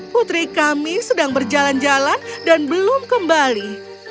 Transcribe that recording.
putri kami sedang berjalan jalan dan belum kembali